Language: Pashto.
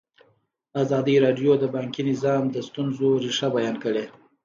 ازادي راډیو د بانکي نظام د ستونزو رېښه بیان کړې.